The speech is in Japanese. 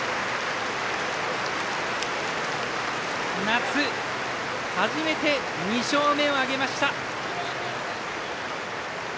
夏、初めて２勝目を挙げました。